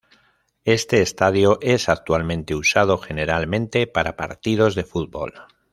Este estadio es actualmente usado generalmente para partidos de fútbol.